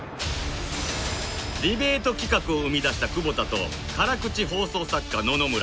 ディベート企画を生み出した久保田と辛口放送作家野々村